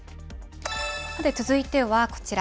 さて、続いてはこちら。